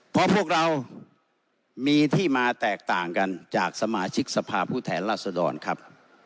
เขาพวกเรามีที่มาแตกต่างกันจากสมาชิกทรภาพูดแถนรัฐทรรรภ์ดอนครับ